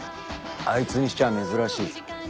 あいつにしちゃ珍しい。